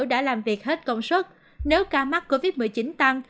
đã làm việc hết công suất nếu ca mắc covid một mươi chín tăng